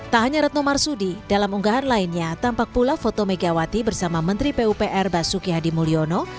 tak hanya retno marsudi dalam unggahan lainnya tampak pula foto megawati bersama menteri pupr basuki hadi mulyono